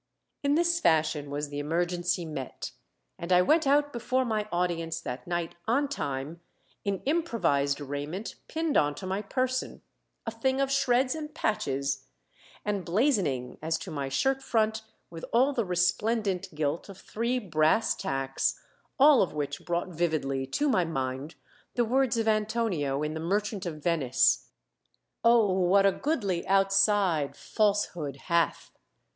In this fashion was the emergency met, and I went out before my audience that night on time in improvised raiment pinned on to my person, "a thing of shreds and patches," and blazoning as to my shirt front with all the resplendent gilt of three brass tacks, all of which brought vividly to my mind the words of Antonio in "The Merchant of Venice": O, what a goodly outside falsehood hath!